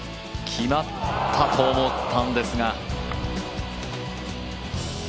決まったと思ったんですが。